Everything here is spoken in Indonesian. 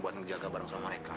buat menjaga bareng sama mereka